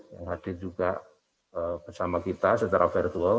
yang hadir juga bersama kita secara virtual